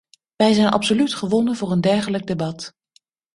Wij zijn absoluut gewonnen voor een dergelijk debat.